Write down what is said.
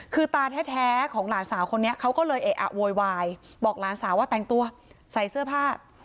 คือตาแท้ของหลานสาวคนนี้เขาก็เลยเอะอะโวยวายบอกหลานสาวว่าแต่งตัวใส่เสื้อผ้า